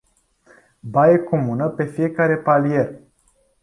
Baie comună pe fiecare palier.